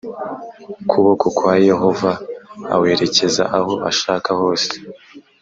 kuboko kwa Yehova awerekeza aho ashaka hose